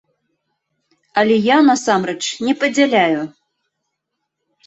Але я, насамрэч, не падзяляю.